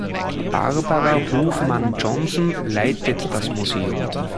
Barbara Hofmann-Johnson leitet das Museum.